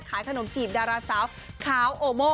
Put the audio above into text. ขายขนมจีบดาราสาวขาวโอโม